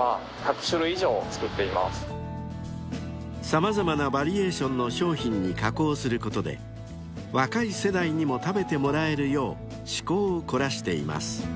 ［様々なバリエーションの商品に加工することで若い世代にも食べてもらえるよう趣向を凝らしています］